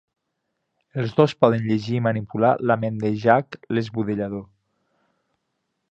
Els dos poden llegir i manipular la ment de Jack l'esbudellador.